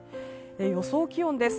予想気温です。